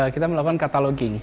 kita melakukan cataloging